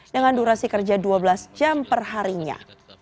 dengan durasi kerja dua belas jam per harinya